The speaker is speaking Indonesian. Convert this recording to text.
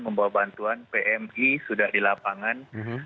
membawa bantuan pmi sudah di lapangan